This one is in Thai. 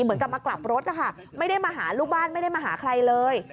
เหมือนกับมากลับรถนะคะไม่ได้มาหาลูกบ้านไม่ได้มาหาใครเลย